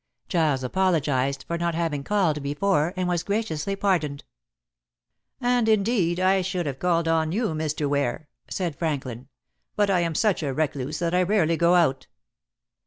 Giles apologized for not having called before, and was graciously pardoned. "And, indeed, I should have called on you, Mr. Ware," said Franklin, "but I am such a recluse that I rarely go out."